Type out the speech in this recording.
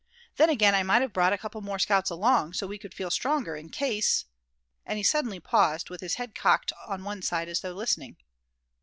Then again, I might have brought a couple more scouts along, so we could feel stronger, in case " and he suddenly paused, with his head cocked on one side as though listening.